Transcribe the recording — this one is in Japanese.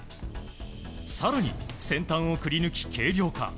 更に、先端をくり抜き軽量化。